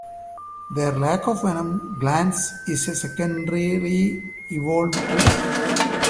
Their lack of venom glands is a secondarily evolved trait.